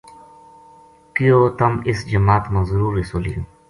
کہیو تم اس جماعت ما ضرور حصو لیوں